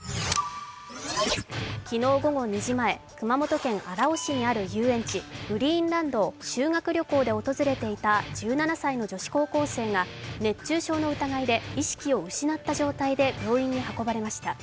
昨日午後２時前、熊本県荒尾市にある遊園地、グリーンランドを修学旅行で訪れていた１７歳の女子高校生が熱中症の義で意識を失った状態で病院に運ばれました。